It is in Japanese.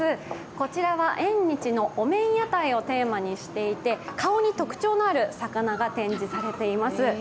こちらは縁日のお面屋台をテーマにしていて顔に特徴のある魚が展示されています。